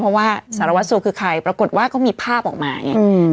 เพราะว่าสารวัสสัวคือใครปรากฏว่าก็มีภาพออกมาไง